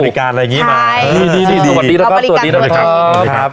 บริการอะไรอย่างงี้มานี่นี่นี่สวัสดีครับสวัสดีครับสวัสดีครับ